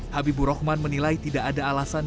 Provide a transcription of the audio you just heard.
habibu rohman menilai tidak ada alasan